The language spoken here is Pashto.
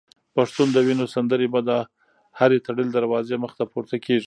پښتون د وینو سندري به د هري تړلي دروازې مخته پورته کیږي